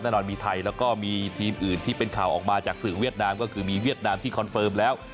แน่นอนมีไทยแล้วก็มีทีมอื่นที่เป็นข่าวออกมาจากสื่อเวียดนามก็คือมีเวียดนามที่คอนเฟิร์มแล้ว